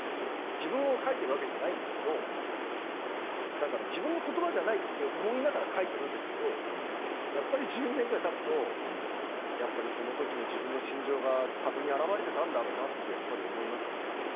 自分を書いているわけではないんですけれどだから自分の言葉じゃないと思いながら書いているんですけど１２年間たつとやっぱりその時の自分の心情が多分に現れていたんだろうなと思いますね。